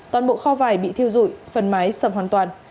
toàn bộ kho vải bị thiêu dụi phần máy sầm hoàn toàn